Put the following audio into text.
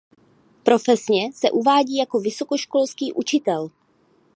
Profesně se uvádí jako vysokoškolský učitel.